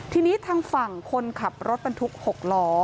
ทีนี้ทางฝั่งคนขับรถบรรทุก๖ล้อ